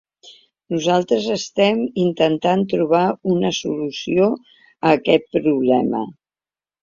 Nosaltres estem intentant trobar una sol·lució a aquest problema.